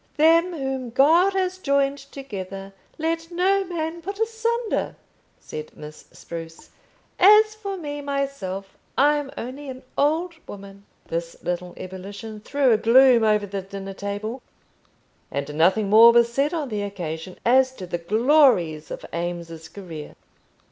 "Them whom God has joined together, let no man put asunder," said Miss Spruce. "As for me myself, I'm only an old woman." This little ebullition threw a gloom over the dinner table, and nothing more was said on the occasion as to the glories of Eames's career.